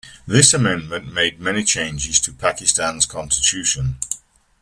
This amendment made many changes to Pakistan's constitution.